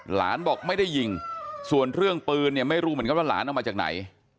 หลานบอกไม่ได้ยิงส่วนเรื่องปืนเนี่ยไม่รู้เหมือนกันว่าหลานเอามาจากไหน